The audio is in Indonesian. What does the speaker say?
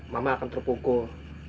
mama akan terpukul